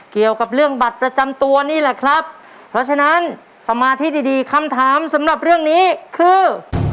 เกี่ยวกับเรื่องบัตรประจำตัวนี่แหละครับเพราะฉะนั้นสมาธิดีดีคำถามสำหรับเรื่องนี้คือ